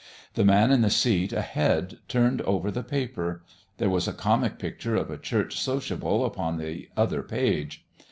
The man in the seat ahead turned over the paper; there was a comic picture of a church sociable upon the other page.